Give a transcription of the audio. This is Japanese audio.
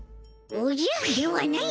「おじゃ？」ではない。